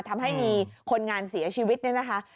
ทำให้มีคนงานเสียชีวิตเนี่ยนะคะ